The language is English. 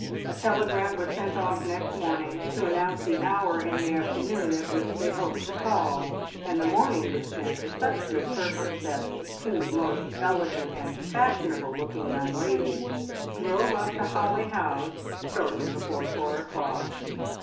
A telegram was sent off next morning to announce the hour in the afternoon at which they hoped to call, and the morning was spent to such good purpose that two most elegant and fashionable looking young ladies drove up to Holly House shortly before four o'clock.